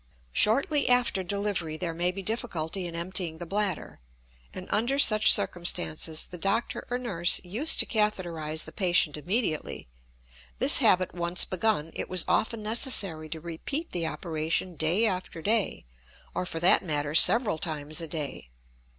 Shortly after delivery there may be difficulty in emptying the bladder; and, under such circumstances, the doctor or nurse used to catheterize the patient immediately; this habit once begun, it was often necessary to repeat the operation day after day, or, for that matter, several times a day.